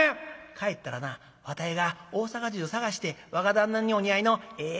帰ったらなわてが大阪中探して若旦那にお似合いのええ